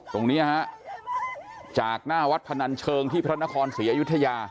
ตรงนี้ฮะจากหน้าวัดพนันเชิงที่พระนครศรีอยุธยา